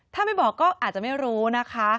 ถ้าไม่บอกก็อาจจะไม่รู้นะคะ